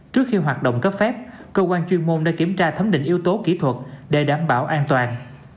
trước khi hoạt động cấp phép cơ quan chuyên môn đã kiểm tra thấm định yếu tố kỹ thuật để đảm bảo an toàn